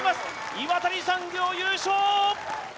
岩谷産業、優勝！